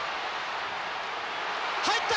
入った！